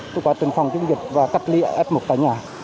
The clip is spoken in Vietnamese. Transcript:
cho cả tình phòng chung dịch và cách ly f một tại nhà